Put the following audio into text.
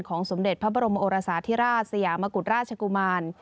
สมเด็จพระบรมโอรสาธิราชสยามกุฎราชกุมาร